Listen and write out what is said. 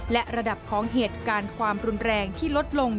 และระดับของเหตุการณ์ความรุนแรงที่ลดลง